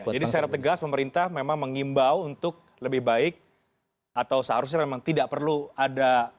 jadi saya tegas pemerintah memang mengimbau untuk lebih baik atau seharusnya memang tidak perlu ada tradisi budaya